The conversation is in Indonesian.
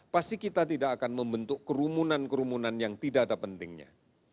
pasti kita tidak akan membentuk kerumunan kerumunan yang tidak ada pentingnya